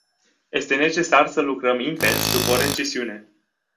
Este necesar să lucrăm intens după o recesiune.